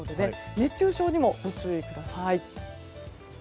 熱中症にもご注意ください。